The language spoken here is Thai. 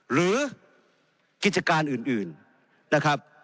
หรือกิจการอื่น